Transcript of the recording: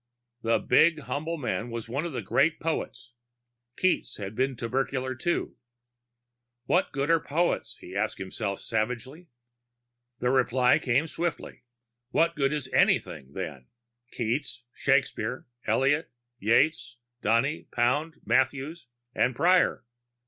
_ The big humble man was one of the great poets. Keats had been tubercular too. What good are poets? he asked himself savagely. The reply came swiftly: What good is anything, then? Keats, Shakespeare, Eliot, Yeats, Donne, Pound, Matthews ... and Prior.